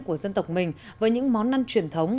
của dân tộc mình với những món ăn truyền thống